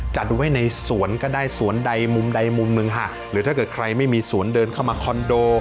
จัดไว้ในสวนก็ได้สวนใดมุมใดมุมหนึ่งค่ะหรือถ้าเกิดใครไม่มีสวนเดินเข้ามาคอนโด